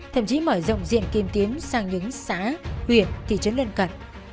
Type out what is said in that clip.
thậm chí mở rộng diện kim tím sang những xã huyện thị trấn lên cận